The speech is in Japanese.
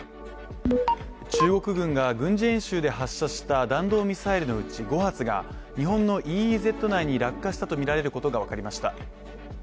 中国軍が軍事演習で発射した弾道ミサイルのうち５発が日本のＥＥＺ内に落下したとみられることが分かりました。